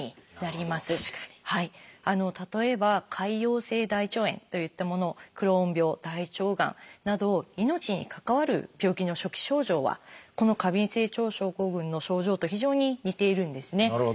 例えば潰瘍性大腸炎といったものクローン病大腸がんなど命に関わる病気の初期症状はこの過敏性腸症候群の症状と非常に似ているんですね。